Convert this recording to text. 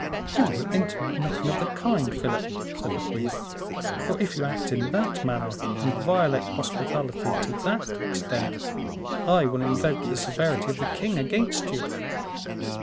"You will intimate nothing of the kind, Philip," said the queen, "for if you act in that manner, and violate hospitality to that extent, I will invoke the severity of the king against you."